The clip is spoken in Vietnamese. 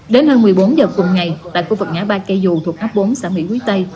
đến hơn một mươi bốn giờ cùng ngày tại khu vực ngã ba cây dù thuộc ấp bốn xã mỹ quý tây